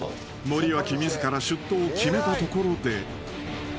［森脇自ら出頭を決めたところで］